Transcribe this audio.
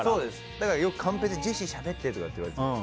だからカンペでジェシーしゃべってとか言われて。